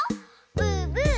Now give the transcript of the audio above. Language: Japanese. ブーブー。